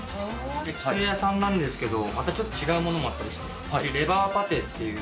焼き鳥屋さんなんですけど、またちょっと違うものもあったりして、レバーパテっていう、